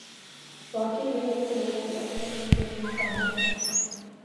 واقعہ یہ ہے کہ لوگوں کے اپنے اپنے ذہنی سانچے ہیں۔